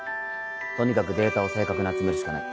とにかくデータを正確に集めるしかない。